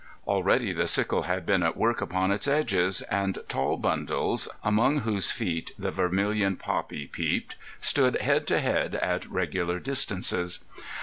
Already the sickle had been at work upon its edges, and tall bundles, among whose feet the vermilion poppy peeped, stood head to head at regular distances.